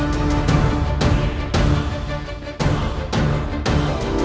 jangan lupa like share dan subscribe